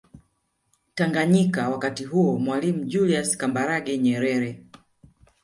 Tanganyika wakati huo Mwalimu juliusi Kambarage Nyerere